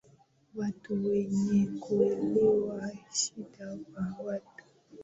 watu wenye kuelewa shida za watu